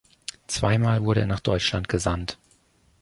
Zweimal wurde er nach Deutschland gesandt.